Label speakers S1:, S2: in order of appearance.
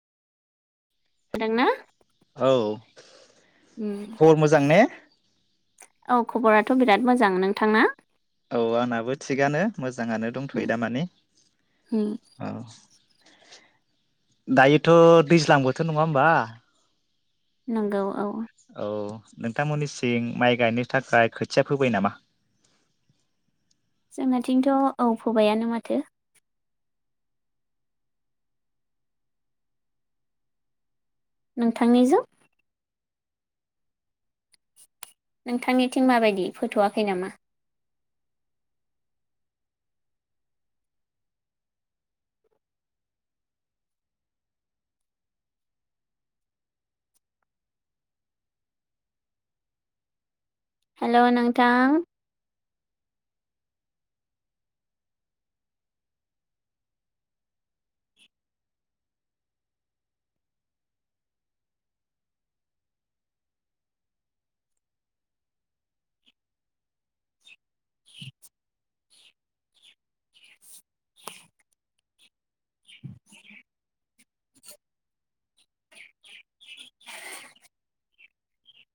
S1: दोंना
S2: औ खबर मोजां ने
S1: औ खबराथ बिराद मोजां नोंथांना?
S2: औ आंनाबो थिगानो मोज जाङानो दंथयो दामाने औ दायोथ दैज्लां बोथोर नङा होमबा
S1: नंगौ औ
S2: औ नोंथांमोननिसिं माइ गायनो थाखाय खोथिया फोबाय नामा?
S1: जोंनाथिंथ औ फोबायानो माथो नोंथांनिजों नोंथांनिथिं माबायदि फोथवाखै नामा? हेल नोंथां [inaudible] [unintelligible] [inaudible]